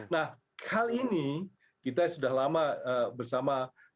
nah hal ini kita sudah lama bersama